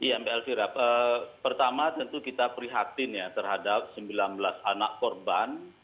iya mbak elvira pertama tentu kita prihatin ya terhadap sembilan belas anak korban